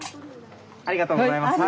ありがとうございます。